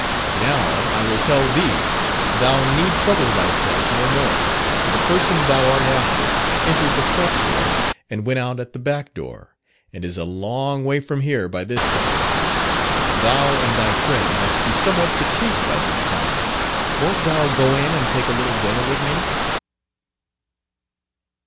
Now I will tell thee; thou need trouble thyself no more, for the person thou art after entered the front door and went out at the back door, and is a long way from here by this time. Thou and thy friend must be somewhat fatigued by this time, wont thou go in and take a little dinner with me?"